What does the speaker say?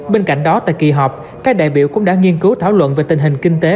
bên cạnh đó tại kỳ họp các đại biểu cũng đã nghiên cứu thảo luận về tình hình kinh tế